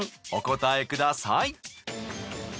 お答えください。